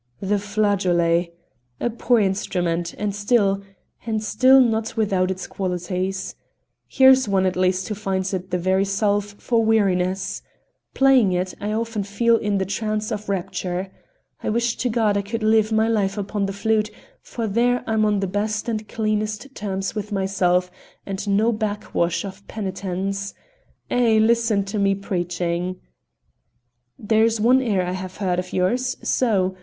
"The flageolet! a poor instrument, and still and still not without its qualities. Here's one at least who finds it the very salve for weariness. Playing it, I often feel in the trance of rapture. I wish to God I could live my life upon the flute, for there I'm on the best and cleanest terms with myself, and no backwash of penitence. Eh! listen to me preaching!" "There is one air I have heard of yours so!